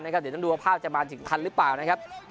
เดี๋ยวต้องดูว่าภาพจะมาถึงทันหรือเปล่านะครับ